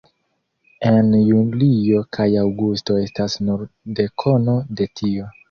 En julio kaj aŭgusto estas nur dekono de tio.